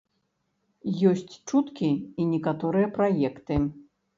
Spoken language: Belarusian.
Ёсць чуткі і некаторыя праекты.